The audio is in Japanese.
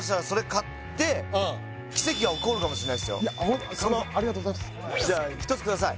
もしかしたらありがとうございますじゃあ１つください